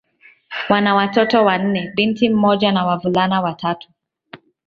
Wana watoto wanne: binti mmoja na wavulana watatu.